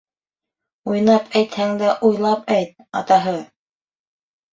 Уйнап әйтһәң дә, уйлап әйт, атаһы!